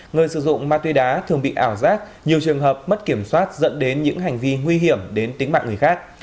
người sử dụng ma túy đá thường bị ảo giác nhiều trường hợp mất kiểm soát dẫn đến những hành vi nguy hiểm đến tính mạng người khác